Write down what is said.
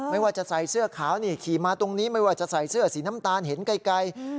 ไม่ว่าจะใส่เสื้อขาวนี่ขี่มาตรงนี้ไม่ว่าจะใส่เสื้อสีน้ำตาลเห็นไกล